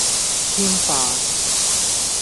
添飯